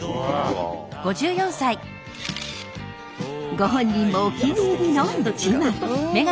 ご本人もお気に入りの一枚。